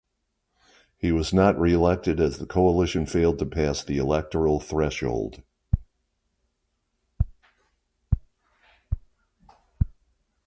He was not reelected as the coalition failed to pass the electoral threshold.